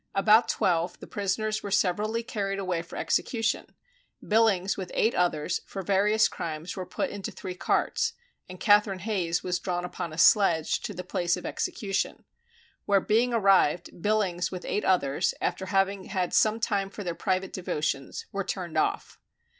About twelve, the prisoners were severally carried away for execution; Billings with eight others for various crimes were put into three carts, and Catherine Hayes was drawn upon a sledge to the place of execution; where being arrived, Billings with eight others, after having had some time for their private devotions, were turned off.